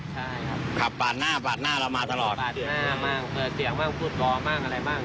ใช่ครับขับปาดหน้าปาดหน้าเรามาตลอดปาดหน้าบ้างเปิดเสียงบ้างพูดพอบ้างอะไรบ้าง